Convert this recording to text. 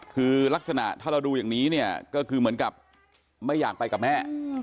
คือลักษณะถ้าเราดูอย่างนี้เนี่ยก็คือเหมือนกับไม่อยากไปกับแม่